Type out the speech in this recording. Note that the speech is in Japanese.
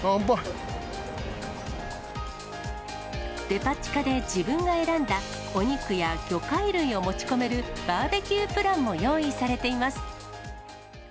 デパ地下で自分が選んだお肉や魚介類を持ち込めるバーベキュープランも用意されています。